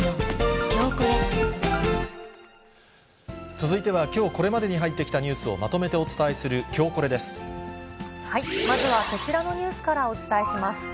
続いては、きょうこれまでに入ってきたニュースをまとめてお伝えするきょうまずはこちらのニュースからお伝えします。